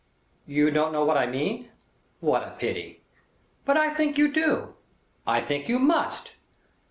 You don't know what I mean? What a pity! But I think you do. I think you must.